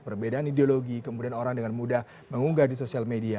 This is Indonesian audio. perbedaan ideologi kemudian orang dengan mudah mengunggah di sosial media